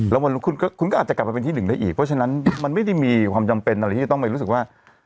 แล้วคุณก็อาจจะกลับมาเป็นที่หนึ่งได้อีกเพราะฉะนั้นมันไม่ได้มีความจำเป็นอะไรที่จะต้องไปรู้สึกว่า